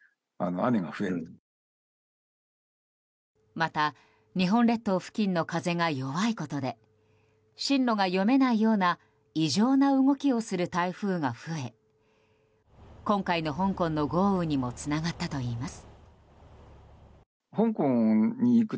また、日本列島付近の風が弱いことで進路が読めないような異常な動きをする台風が増え今回の香港の豪雨にもつながったといいます。